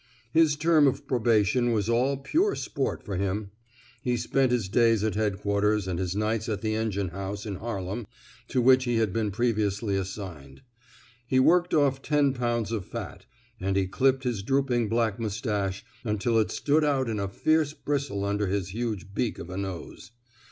His term of probation was all pure sport for him. He spent his days at Headquarters and his nights at the engine house in Har lem to which he had been provisionally as signed. He worked off ten pounds of fat, and he clipped his drooping black mustache until it stood out in a fierce bristle under his huge beak of nose.